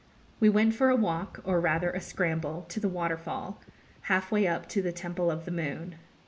We went for a walk, or rather a scramble, to the waterfall, half way up to the Temple of the Moon.